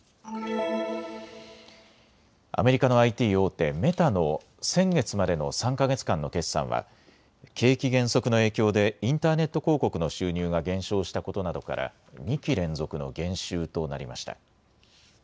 アメリカのＩＴ大手、メタの先月までの３か月間の決算は景気減速の影響でインターネット広告の収入が減少したことなどから２期連続の減収となりました。